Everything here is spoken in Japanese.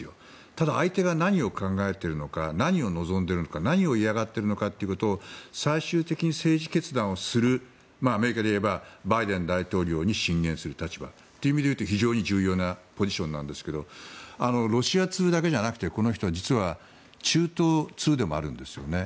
ただ、相手が何を考えているのか何を望んでいるのか何を嫌がっているかということを最終的に政治決断をするアメリカでいえばバイデン大統領に進言する立場というのが非常に重要なポジションなんですがロシア通だけじゃなくてこの人は実は中東通でもあるんですよね。